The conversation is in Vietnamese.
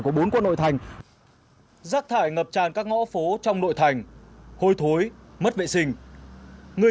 của bốn quận nội thành rác thải ngập tràn các ngõ phố trong nội thành hôi thối mất vệ sinh người